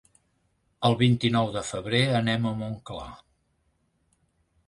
El vint-i-nou de febrer anem a Montclar.